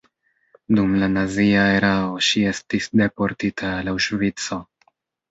Dum la nazia erao ŝi estis deportita al Aŭŝvico.